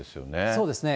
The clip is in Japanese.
そうですね。